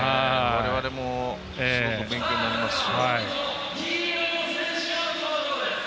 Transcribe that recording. われわれもすごく勉強になりますし。